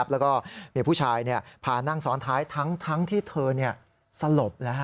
แล้วก็มีผู้ชายพานั่งซ้อนท้ายทั้งที่เธอสลบ